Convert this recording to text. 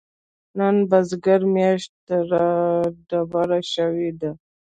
نن بزرګه مياشت رادبره شوې ده.